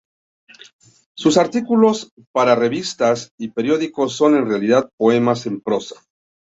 Sus artículos para revistas y periódicos son, en realidad, poemas en prosa.